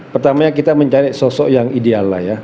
pertamanya kita mencari sosok yang ideal lah ya